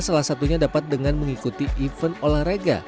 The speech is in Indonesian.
salah satunya dapat dengan mengikuti event olahraga